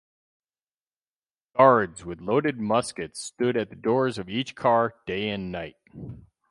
Guards with loaded muskets stood at the doors of each car day and night.